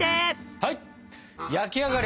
はい！